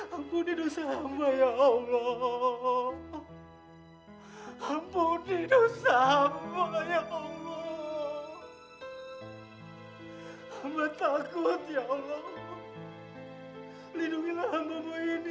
jangan jauhkan amat ya allah